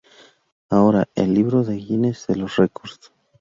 Ahora está en el "Libro Guinness de los Records".